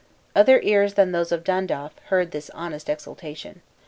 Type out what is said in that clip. Other ears than those of Dandaff heard this honest exultation.